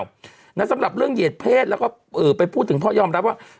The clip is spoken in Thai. สำหรับเรื่องเหยียดเพศแล้วก็ไปพูดถึงพ่อยอมรับว่า